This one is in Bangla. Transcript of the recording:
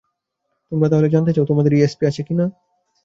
তোমরা তাহলে জানতে চাও তোমাদের ইএসপি আছে কি না?